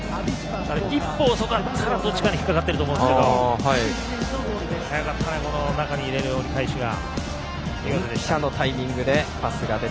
１歩、遅かったらどっちかに引っ掛かていたと思うんですけど早かったね中に入れる折り返しが。